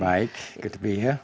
baik ke tepi ya